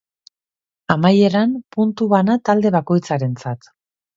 Amaieran, puntu bana talde bakoitzarentzat.